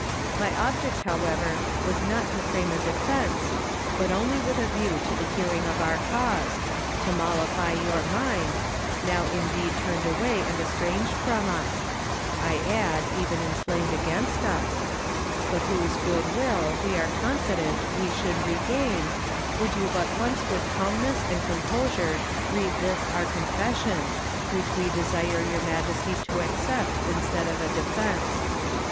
My object however was not to frame a defense, but only with a view to the hearing of our cause, to mollify your mind, now indeed turned away and estranged from us, I add, even inflamed against us, but whose good will, we are confident, we should regain, would you but once with calmness and composure read this our Confession, which we desire your Majesty to accept instead of a defense.